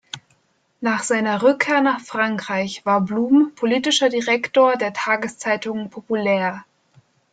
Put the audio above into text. Nach seiner Rückkehr nach Frankreich war Blum politischer Direktor der Tageszeitung "Populaire".